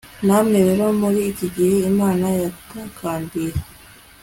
Namwe rero muri iki gihe imana yatakambiye